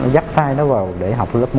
dắt thai nó vào để học lớp một